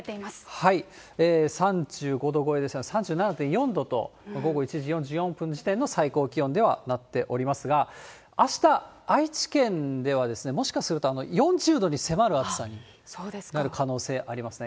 ３５度超えですね、３７．４度と、午後１時４４分時点の最高気温ではなっておりますが、あした、愛知県では、もしかすると、４０度に迫る暑さになる可能性ありますね。